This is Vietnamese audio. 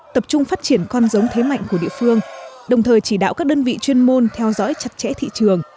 tập trung phát triển con giống thế mạnh của địa phương đồng thời chỉ đạo các đơn vị chuyên môn theo dõi chặt chẽ thị trường